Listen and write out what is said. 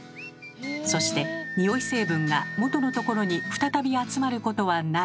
そしてニオイ成分が元のところに再び集まることはない。